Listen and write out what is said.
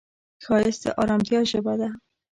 ښایست د ارامتیا ژبه ده